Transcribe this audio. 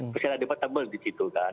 pesilai debatable di situ kan